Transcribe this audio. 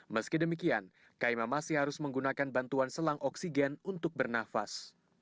meski demikian kaima masih harus menggunakan bantuan selang oksigen untuk bernafas